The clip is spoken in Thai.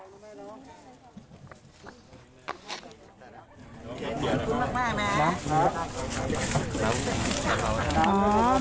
ขอบคุณมากนะครับ